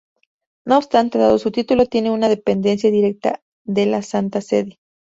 No obstante dado su título tiene una dependencia directa de la Santa Sede.